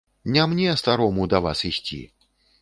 Не мне, старому, да вас ісці.